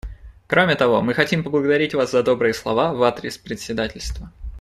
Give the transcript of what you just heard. Кроме того, мы хотим поблагодарить Вас за добрые слова в адрес председательства.